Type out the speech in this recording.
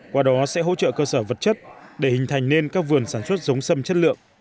qua đó sẽ hỗ trợ cơ sở vật chất để hình thành nên các vườn sản xuất giống xâm chất lượng